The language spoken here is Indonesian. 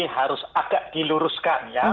harus agak diluruskan ya